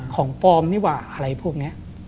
ของปลอมนี่หว่าอะไรพวกนี้